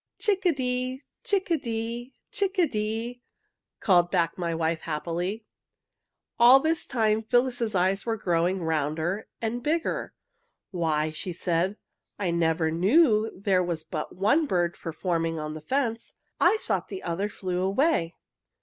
"'Chick a dee! Chick a dee! Chick a dee!' called back my wife happily." All this time Phyllis's eyes were growing rounder and bigger. "Why," said she, "I never knew there was but one bird performing on the fence. I thought the other flew away!"